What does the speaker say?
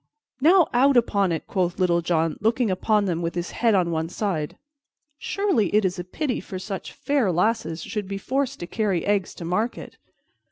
"Now out upon it!" quoth Little John, looking upon them with his head on one side. "Surely, it is a pity that such fair lasses should be forced to carry eggs to market.